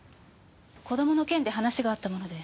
子供の件で話があったもので。